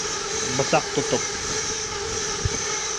Бысаҡ тотоп.